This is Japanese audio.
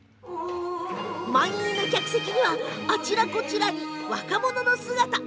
満員の客席にはあちこちに若者の姿。